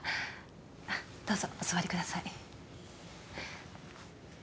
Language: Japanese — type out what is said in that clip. どうぞお座りください